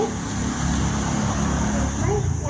กินไหม